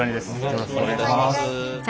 よろしくお願いします。